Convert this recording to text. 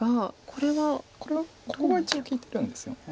これはここが一応利いてるんですよね。